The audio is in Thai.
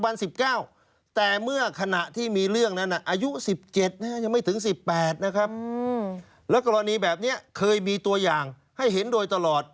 แล้วกรณีแบบนี้เคยมีตัวอย่างให้เห็นโดยตลอด